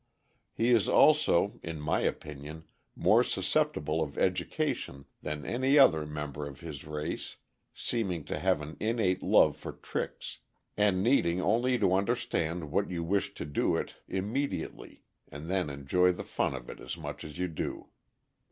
He is also, in my opinion, more susceptible of education than any other member of his race, seeming to have an innate love for tricks, and needing only to understand what you wish to do it immediately, and then enjoy the fun of it as much as you do.